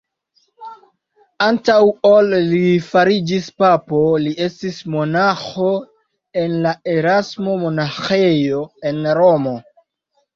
Antaŭ ol li fariĝis papo, li estis monaĥo en la Erasmo-monaĥejo en Romo.